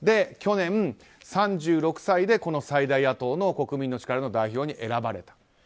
去年、３６歳でこの最大野党の国民の力の代表に選ばれた。